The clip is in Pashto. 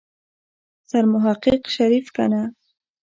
سرمحقق شريف کنه.